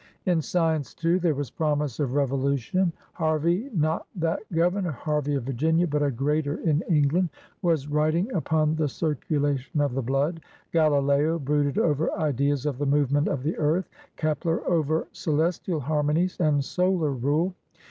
In science, too, there was promise of revolution. Harvey — not that Grovemor Harvey of Virginia, but a greater in England — was writ ing upon the circulation of the blood. Galileo brooded over ideas of the movement of the earth; Kepler^ over celestial harmonies and solar rule.